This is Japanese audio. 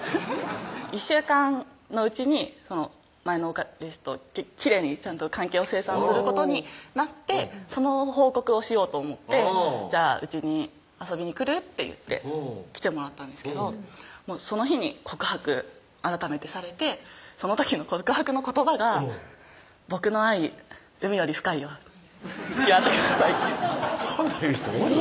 １週間のうちに前の彼氏ときれいにちゃんと関係を清算することになってその報告をしようと思って「じゃあうちに遊びに来る？」って言って来てもらったんですけどその日に告白改めてされてその時の告白の言葉が「僕の愛海より深いよつきあってください」ってそんなん言う人おる？